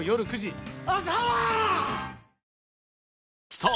さあ